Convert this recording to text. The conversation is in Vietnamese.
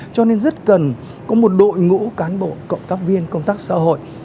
cho nên rất cần có một đội ngũ cán bộ cộng tác viên công tác xã hội